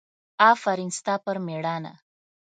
افرین ستا پر مېړانه!